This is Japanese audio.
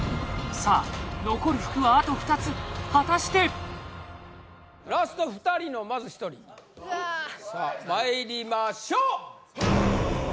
さあ残る福はあと２つ果たしてラスト２人のまず１人わあまいりましょう